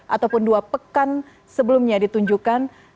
ataupun dua pekan sebelumnya ditunjukkan